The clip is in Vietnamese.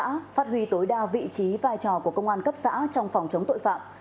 công an cấp xã phát huy tối đa vị trí vai trò của công an cấp xã trong phòng chống tội phạm